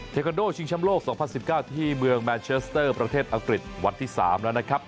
เทคานโดชิงชำโลก๒๐๑๙ที่เมืองแมนเชสเตอร์ประเทศอังกฤษวันที่๓แล้วนะครับ